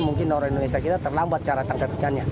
mungkin orang indonesia kita terlambat cara tangkap ikannya